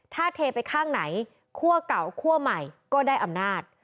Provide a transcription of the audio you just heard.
ถ้าเทไปข้างไหนคั่วเก่าคั่วใหม่ก็ได้อำนาจ